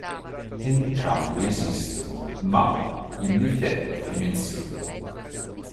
Entrambi esistono, ma in differenti dimensioni.